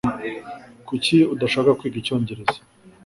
Kuki udashaka kwiga icyongereza?